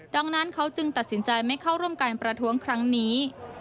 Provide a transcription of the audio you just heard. ดังนั้นเขาจึงตัดสินใจไม่เข้าร่วมการประท้วงครั้งนี้